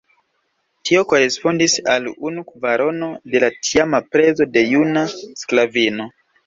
Tio korespondis al unu kvarono de la tiama prezo de juna sklavino.